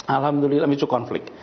alhamdulillah memicu konflik